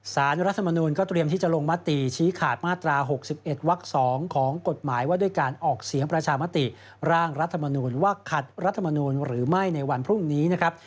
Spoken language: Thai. สารรัฐมนูลก็เตรียมที่จะลงมติชี้ขาดมาตรา๖๑วัก๒ของกฎหมายว่าด้วยการออกเสียงประชามติร่างรัฐมนูลว่าขัดรัฐมนูลหรือไม่ในวันพรุ่งนี้นะครับ